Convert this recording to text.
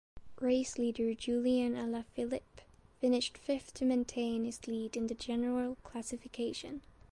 Race leader Julian Alaphilippe finished fifth to maintain his lead in the general classification.